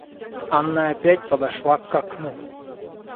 Анна опять подошла к окну.